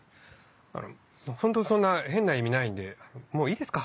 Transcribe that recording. ホントそんな変な意味ないんでもういいですか？